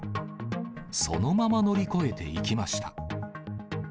そのまま乗り越えていきました。